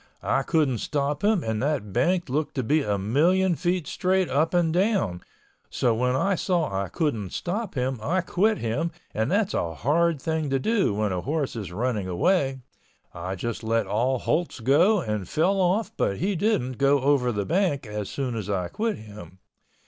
I couldn't stop him and that bank looked to be a million feet straight up and down, so when I saw I couldn't stop him I quit him and that's a hard thing to do when a horse is running away. I just let all holts go and fell off but he didn't go over the bank as soon as I quit him.